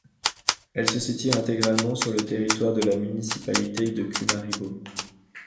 Elle se situe intégralement sur le territoire de la municipalité de Cumaribo.